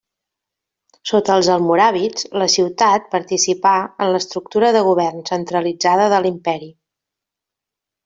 Sota els almoràvits la ciutat participà en l'estructura de govern centralitzada de l'imperi.